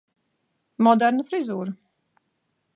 Moderna frizūra